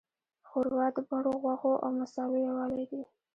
ښوروا د بڼو، غوښو، او مصالحو یووالی دی.